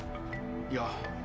いや。